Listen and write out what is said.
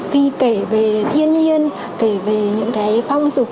khi kể về thiên nhiên kể về những cái phong tục tập trung